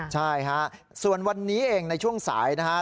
ใช่ฮะส่วนวันนี้เองในช่วงสายนะฮะ